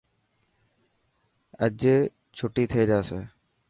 اڄ چوٽي ٿي جاسي.